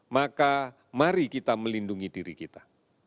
maka mari kita melindungi diri kita